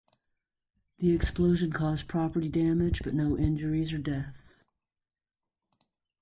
The explosion caused property damage but no injuries or deaths.